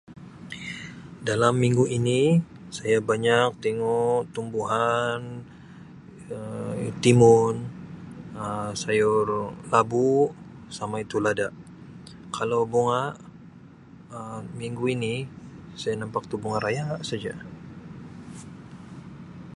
Dalam minggu ini saya banyak tingu tumbuhan Um timun, Um sayur labu sama itu lada, kalau bunga Um minggu ini saya nampak tu bunga raya saja.